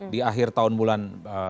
di akhir tahun bulan